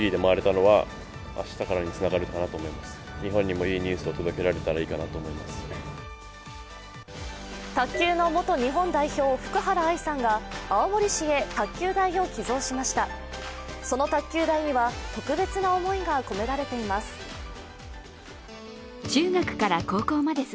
その卓球台には特別な思いが込められています。